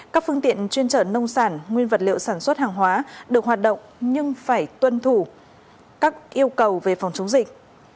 các phương tiện chuyên trở nông sản nguyên vật liệu sản xuất hàng hóa được hoạt động nhưng phải tuân thủ các yêu cầu về phòng chống dịch